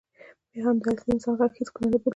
بیا هم د اصلي انسان غږ هېڅکله نه بدلېږي.